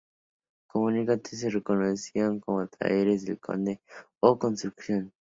Comúnmente se conocían como Talleres del Conde o Construcción.